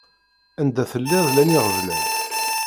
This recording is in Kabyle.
Anda telliḍ llan iɣeblan.